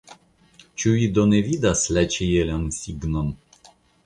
Ĉu vi do ne vidas la ĉielan signon ?